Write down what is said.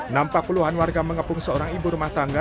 nampak puluhan warga mengepung seorang ibu rumah tangga